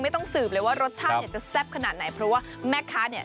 ต้องสืบเลยว่ารสชาติเนี่ยจะแซ่บขนาดไหนเพราะว่าแม่ค้าเนี่ย